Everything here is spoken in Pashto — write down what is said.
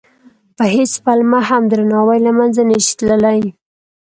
په هېڅ پلمه هم درناوی له منځه نه شي تللی.